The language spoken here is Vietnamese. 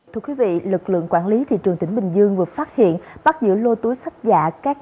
thưa quý vị lực lượng quản lý thị trường tỉnh bình dương vừa phát hiện bắt giữ lô túi sách giả các